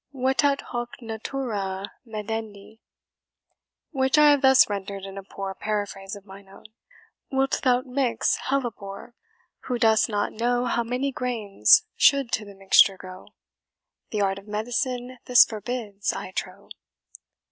VETAT HOC NATURA VEDENDI; which I have thus rendered in a poor paraphrase of mine own, Wilt thou mix hellebore, who dost not know How many grains should to the mixture go? The art of medicine this forbids, I trow.